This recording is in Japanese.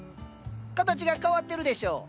形が変わってるでしょう？